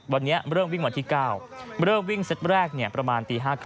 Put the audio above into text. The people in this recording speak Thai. วันนี้เริ่มวิ่งวันที่๙เริ่มวิ่งเซตแรกประมาณตี๕๓๐